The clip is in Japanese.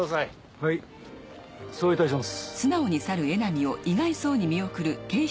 はいそういたします。